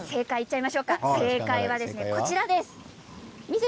正解はこちらです。